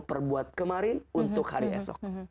perbuat kemarin untuk hari esok